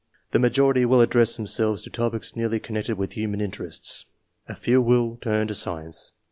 The majority will address themselves to topics nearly connected with human interests ; a few only will turn to science.